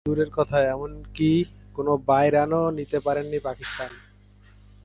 No wide তো দূরের কথা, এমনকি কোনো বাই রানও নিতে পারেনি পাকিস্তান।